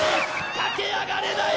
駆け上がれない！